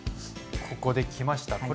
ここできました！